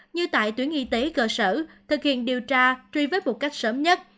như tại tuyến y tế cơ sở thực hiện điều tra truy vết một cách sớm nhất